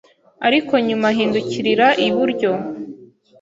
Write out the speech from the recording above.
Ariko nyuma ahindukirira iburyo